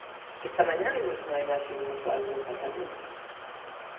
Esta mañá vimos unha imaxe inusual no Parlamento.